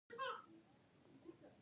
ماشومانو ته به ورکړي قلمونه